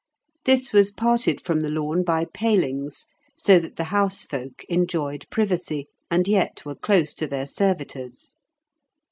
This was parted from the lawn by palings, so that the house folk enjoyed privacy, and yet were close to their servitors.